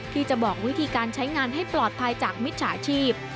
ที่จะบอกวิธีการใช้งานให้ปลอดภัยจากมิจฉาชีพ